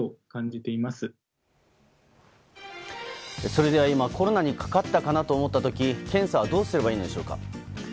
それでは今、コロナにかかったかなと思った時検査はどうすればいいのでしょうか。